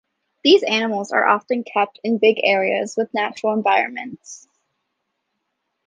These animals are often kept in big areas with natural environments.